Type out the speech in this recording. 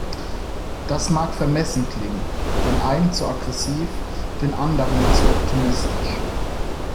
Das mag vermessen klingen, den einen zu aggressiv, den anderen zu optimistisch.